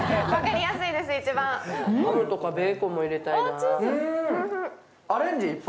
ハムとかベーコンも入れたいな。